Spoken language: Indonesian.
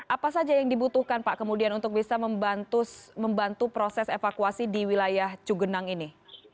apa saja yang dibutuhkan pak kemudian untuk bisa membantu proses evakuasi di wilayah cugenang ini